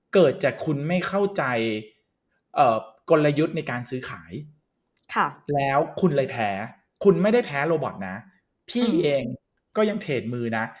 เกิดจากคุณไม่เข้าใจกลยุทธ์ในการซื้อขายแล้วคุณเลยแพ้คุณไม่ได้แพ้โรบอตนะพี่เองก็ยังเทรดมือนะ